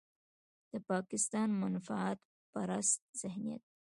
د پاکستان منفعت پرست ذهنيت.